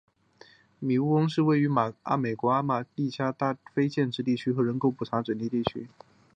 米尼翁是一个位于美国阿拉巴马州塔拉迪加县的非建制地区和人口普查指定地区。